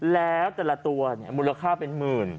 แล้วแต่ละตัวเนี่ยมูลค่าเป็นหมื่น